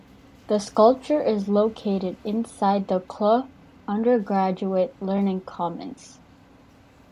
The sculpture is located inside the Clough Undergraduate Learning Commons.